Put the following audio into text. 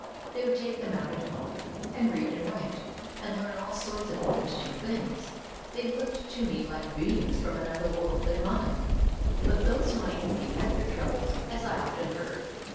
They would take them out at home, and read and write, and learn all sorts of in teresting things. They looked to me like beings from another world than mine. But those whom I envied had their troubles, as I often heard.